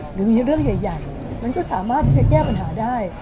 หรือมีเรื่องใหญ่มันก็สามารถที่จะแก้ปัญหาได้